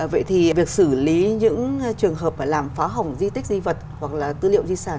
vậy thì việc xử lý những trường hợp làm phá hỏng di tích di vật hoặc là tư liệu di sản